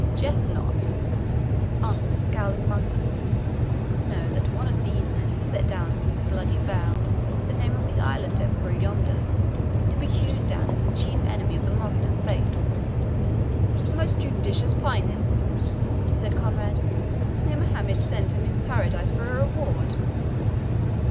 "Jest not," answered the scowling monk. "Know that one of these men has set down in his bloody vow the name of the Island Emperor yonder, to be hewn down as the chief enemy of the Moslem faith." "A most judicious paynim," said Conrade. "May Mohammed send him his paradise for a reward!"